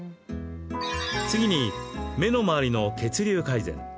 次に、目の周りの血流改善。